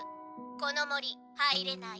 この森入れない」。